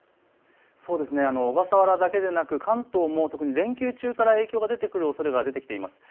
小笠原だけでなく関東も特に連休中から影響が出てくるおそれが出てきています。